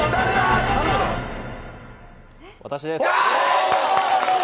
私です。